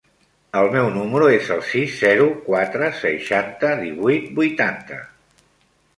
El meu número es el sis, zero, quatre, seixanta, divuit, vuitanta.